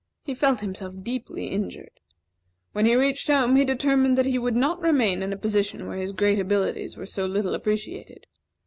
He felt himself deeply injured. When he reached home, he determined that he would not remain in a position where his great abilities were so little appreciated.